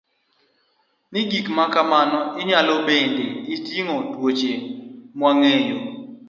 ni gik ma kamago nyalo bedo ni oting'o tuoche mwang'eyo